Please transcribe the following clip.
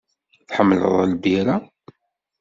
Tḥemmleḍ lbira?